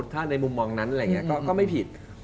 ถ้าในมุมมองนั้นอะไรอย่างนี้ก็ไม่ผิด